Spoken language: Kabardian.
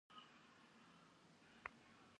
Nalkhutım khıxaş''ç'xeri yikhuç'e daxe mexhu.